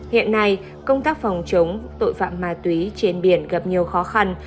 hiện nay công tác phòng chống tội phạm ma túy trên biển gặp nhiều khó khăn